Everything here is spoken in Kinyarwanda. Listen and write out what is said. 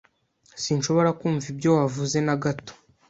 Sinshobora kumva ibyo wavuze na gato.